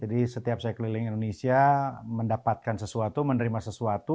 jadi setiap saya keliling indonesia mendapatkan sesuatu menerima sesuatu